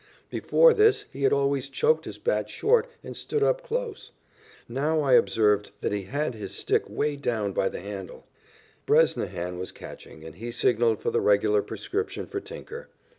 Before this he had always choked his bat short and stood up close. Now I observed that he had his stick way down by the handle. Bresnahan was catching, and he signalled for the regular prescription for Tinker.